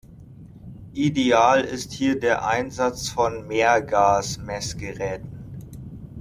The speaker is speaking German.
Ideal ist hier der Einsatz von Mehrgas-Messgeräten.